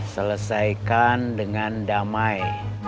selesaikan dengan damai